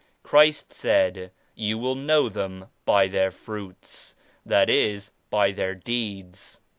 Christ said *You will know them by their fruits* ; that is by their deeds.